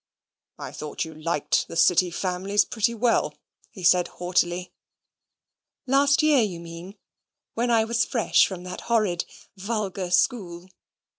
"I thought you liked the City families pretty well," he said, haughtily. "Last year you mean, when I was fresh from that horrid vulgar school?